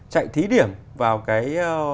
chạy thí điểm vào cái